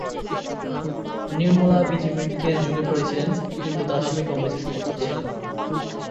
নির্মলা বিজেপির দিকে ঝুঁকে পড়েছিলেন, কিন্তু তার স্বামী কংগ্রেসের সমর্থক ছিলেন।